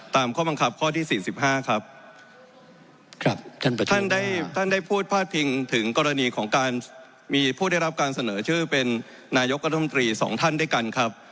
ท่านได้พูดพาดพิงถึงกรณีของการมีผู้ได้รับการเสนอชื่อเป็นนายกฎมตรีสองท่านด้วยกันครับ